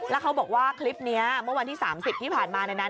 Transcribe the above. แล้วเขาบอกว่าคลิปนี้เมื่อวันที่๓๐ที่ผ่านมาในนั้น